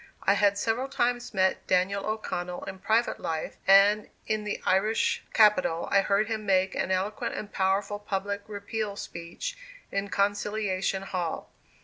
I had several times met Daniel O'Connell in private life and in the Irish capital I heard him make an eloquent and powerful public Repeal speech in Conciliation Hall.